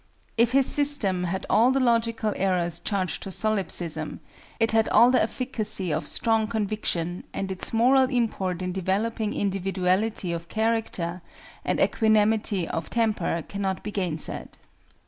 If his system had all the logical errors charged to Solipsism, it had all the efficacy of strong conviction and its moral import in developing individuality of character and equanimity of temper cannot be gainsaid.